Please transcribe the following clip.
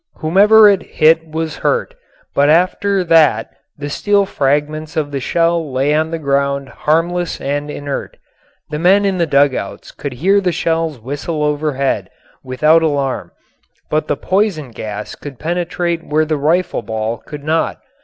Whomever it hit was hurt, but after that the steel fragments of the shell lay on the ground harmless and inert. The men in the dugouts could hear the shells whistle overhead without alarm. But the poison gas could penetrate where the rifle ball could not.